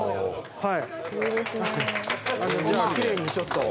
はい。